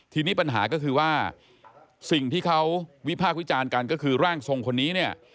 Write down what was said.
ทีนี้ปัญหาก็คือว่าสิ่งที่เขาวิพากษ์วิจารณ์กันก็คือร่างทรงคนนี้เนี่ย